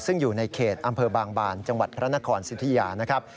ซึ่งอยู่ในเขตอำเภอบางบานจังหวัดพระนครสิทธิยานะครับ